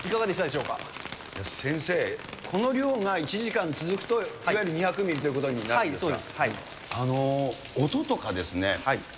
先生、この量が１時間続くと、いわゆる２００ミリということになるんですか？